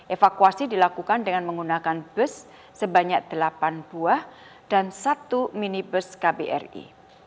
evakuasi dilakukan dengan menggunakan bus sebanyak delapan buah dan satu minibus kbri